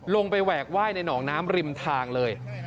แหวกไหว้ในหนองน้ำริมทางเลย